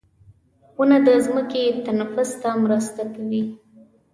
• ونه د ځمکې تنفس ته مرسته کوي.